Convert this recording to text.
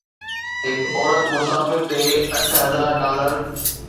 هڪ عورت مسافر تي اٺ هزار ڊالر